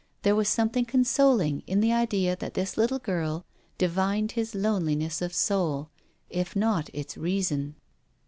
There was something consoling in the idea that this little girl divined his loneliness of soul, if not its reason.